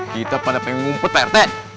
kita pada pengen ngumpul prt